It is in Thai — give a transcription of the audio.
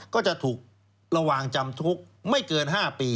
ก็จะถูกระวังจำคุกไม่เกิน๕ปี